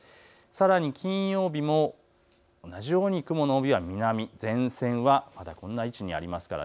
さらに金曜日も同じように雲の帯は南、前線はまだこんな位置にあります。